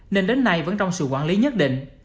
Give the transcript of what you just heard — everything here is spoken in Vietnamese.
nên đến nay vẫn trong sự quản lý nhất định